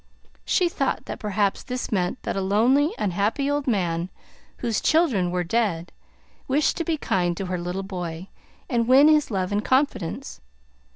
She thought that perhaps this meant that a lonely, unhappy old man, whose children were dead, wished to be kind to her little boy, and win his love and confidence.